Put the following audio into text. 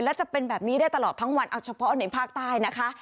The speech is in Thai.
และจะเป็นแบบนี้ได้ตลอดทั้งวันเอาเฉพาะในภาคใต้นะคะ